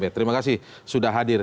terima kasih sudah hadir